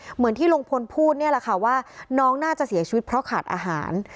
เหมือนที่ลุงพลพูดเนี่ยแหละค่ะว่าน้องน่าจะเสียชีวิตเพราะขาดอาหาร